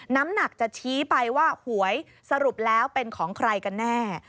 น้ำหนักจะชี้ไปว่าหวยสรุปแล้วเป็นของใครกันแน่